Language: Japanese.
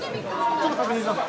ちょっと確認します。